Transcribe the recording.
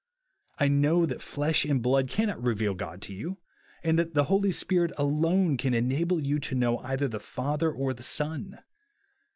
I know that flesh and blood cannot reveal God to you, and that the Holy Spirit alone can enable you to know either the Father or the Son.